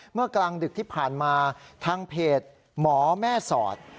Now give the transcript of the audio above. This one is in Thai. เมื่อกลางดึกที่ผ่านมาทางเพจหมอแม่สอด